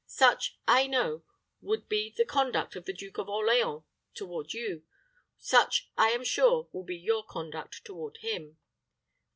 Such, I know, would be the conduct of the Duke of Orleans toward you; such, I am sure, will be your conduct toward him."